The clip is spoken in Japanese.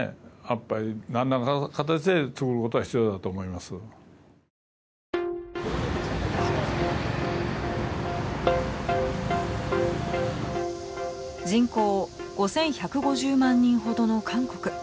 まあやっぱり人口５１５０万人ほどの韓国。